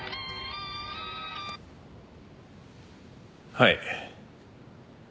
はい。